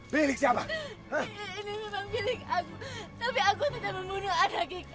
terima kasih dan lagi maaf penyayang